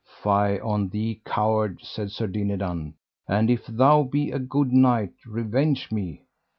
Fie on thee, coward, said Sir Dinadan, and if thou be a good knight revenge me.